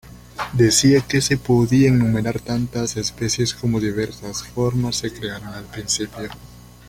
Decía que se podían numerar tantas especies como diversas formas se crearon al principio.